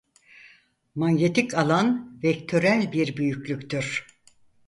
Manyetik alan vektörel bir büyüklüktür.